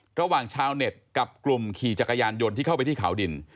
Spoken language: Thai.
ชาวเน็ตกับกลุ่มขี่จักรยานยนต์ที่เข้าไปที่เขาดิน